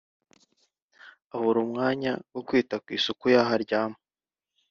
abura umwanya wo kwita ku isuku y’aho aryama